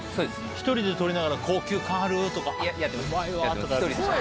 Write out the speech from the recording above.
１人で撮りながら「高級感ある」とか「うまいわ」とか。